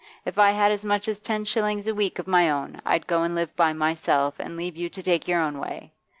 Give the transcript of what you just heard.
If I had as much as ten shillings a week of my own, I'd go and live by myself, and leave you to take your own way.